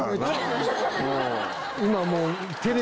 今もう。